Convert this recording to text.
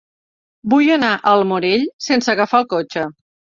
Vull anar al Morell sense agafar el cotxe.